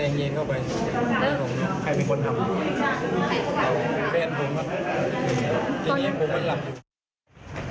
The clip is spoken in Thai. เพศผมครับทีนี้ผมมันหลับอยู่